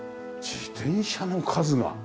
自転車の数が。